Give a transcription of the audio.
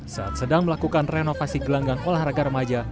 saat sedang melakukan renovasi gelanggang olahraga remaja